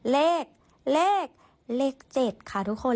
เลขเลข๗ค่ะทุกคน